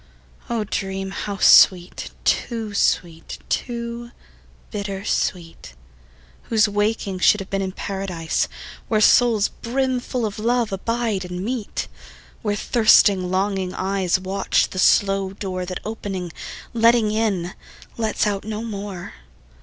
O dream how sweet, too sweet, too bitter sweet, Whose wakening should have been in Paradise, Where souls brimful of love abide and meet; Where thirsting longing eyes Watch the slow door That opening, letting in, lets out no more.